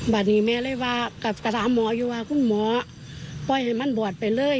วันนี้แม่เลยว่ากลับไปถามหมออยู่ว่าคุณหมอปล่อยให้มันบอดไปเลย